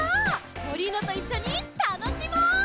モリーノといっしょにたのしもう！